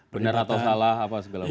benar atau salah apa segala macam